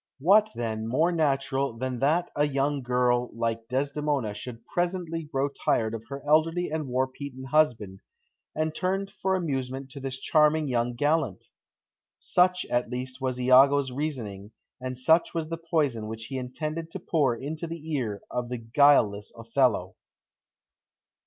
What, then, more natural than that a young girl like Desdemona should presently grow tired of her elderly and war beaten husband, and turn for amusement to this charming young gallant? Such, at least, was Iago's reasoning, and such was the poison which he intended to pour into the ear of the guileless Othello.